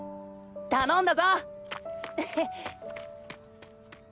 頼んだぞ！